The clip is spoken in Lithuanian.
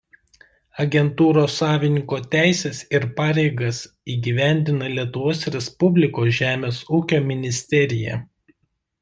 Agentūros savininko teises ir pareigas įgyvendina Lietuvos Respublikos žemės ūkio ministerija.